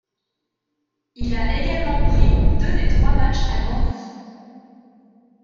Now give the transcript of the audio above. Il a également pris deux des trois matchs à Bandy.